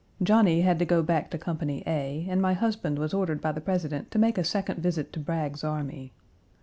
Johnny had to go back to Company A, and my husband was ordered by the President to make a second visit to Bragg's Army.